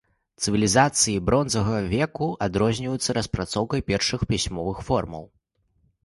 Цывілізацыі бронзавага веку адрозніваюцца распрацоўкай першых пісьмовых формаў.